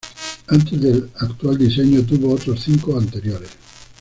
Antes del actual diseño tuvo otros cinco anteriores.